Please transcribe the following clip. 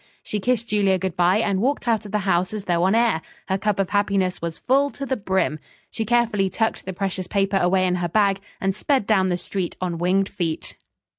She kissed Julia good bye and walked out of the house as though on air. Her cup of happiness was full to the brim. She carefully tucked the precious paper away in her bag and sped down the street on winged feet.